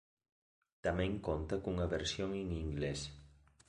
Tamén conta cunha versión en inglés.